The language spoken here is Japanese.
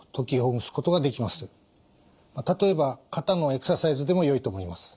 例えば肩のエクササイズでもよいと思います。